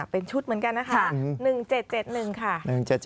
เป็นชุดเหมือนกันนะคะ๑๗๗๑ค่ะ